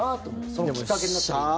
そのきっかけになったらいい。